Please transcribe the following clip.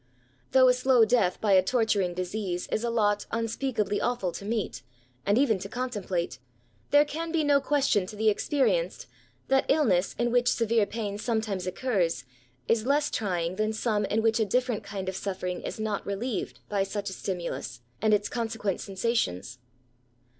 Though a slow death by a torturing disease is a lot unspeakably awful to meet, and even to con template, there can be no question to the expe^i 110 ESSAYS. riencedi that illness in which severe pain some times occurs is less trying than some in which a different kind of suffering is not relieved by such a stimulus and its consequent sensations.